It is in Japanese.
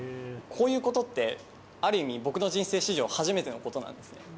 こういうことって、ある意味、僕の人生史上初めてのことなんですね。